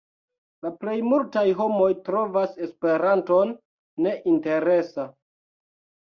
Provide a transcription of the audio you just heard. La plej multaj homoj trovas Esperanton neinteresa.